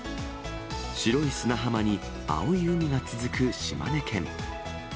白い砂浜に青い海が続く島根県。